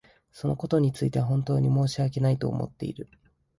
そのことについては本当に申し訳ないと思っている。